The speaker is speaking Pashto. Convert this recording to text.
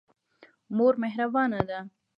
مور مهربانه ده.